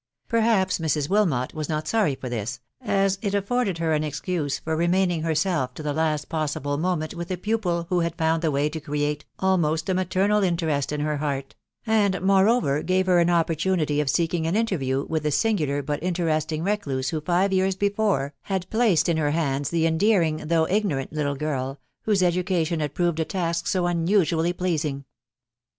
Perhaps Mrs. Wilmot was not sorry for this, as it afforded her an excuse for remaining herself to the last possible mo ment with a pupil who had found the way to create almost a maternal interest in her heart, and moreover gave her an opportunity of seeking an interview with the singular but interesting recluse who five years before had placed in her hands the endearing, though ignorant little girl, whose educa tion had proved a task so unusually pleasing.